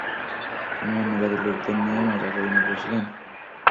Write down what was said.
আমি অন্য জাতির লোকেদের নিয়ে মজা করি না, বুঝালেন?